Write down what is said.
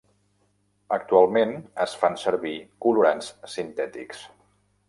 Actualment es fan servir colorants sintètics.